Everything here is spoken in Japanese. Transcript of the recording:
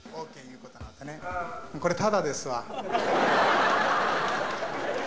これタダですわ。